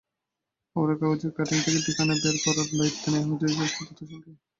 খবরের কাগজের কাটিং থেকে ঠিকানা বের করার দায়িত্ব দেয়া হয়েছিল সাজ্জাদ হোসেনকে।